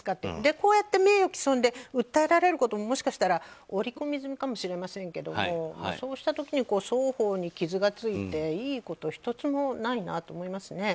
こうやって名誉毀損で訴えられることももしかしたら織り込み済みかもしれませんがそうした時に双方に傷がついていいこと１つもないなと思いますね。